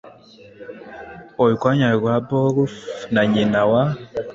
urwanya rwa beowulf na nyina wa